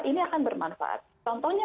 ini akan bermanfaat contohnya